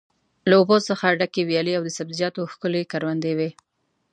له اوبو څخه ډکې ویالې او د سبزیجاتو ښکلې کروندې وې.